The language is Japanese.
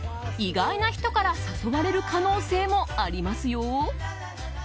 意外な人から誘われる可能性もありますよ。